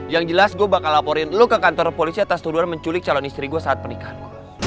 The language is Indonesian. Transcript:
yang jelas gue bakal laporin lu ke kantor polisi atas tuduhan menculik calon istri gue saat pernikahanku